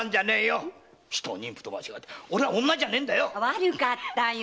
悪かったよ